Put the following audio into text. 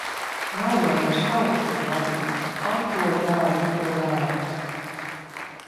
Nav jau vairs tautu, kur vadīt. Ak, to bēdu! To bēdu!